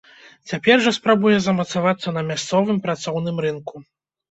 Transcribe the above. Цяпер жа спрабуе замацавацца на мясцовым працоўным рынку.